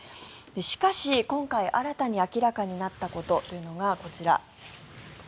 しかし、今回新たに明らかになったということがこちら。